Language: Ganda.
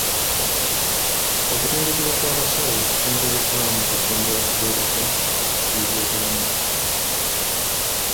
Okutendekebwa kw'abasawo kugendereddwamu kutumbula mpeerezay'ebyobulamu.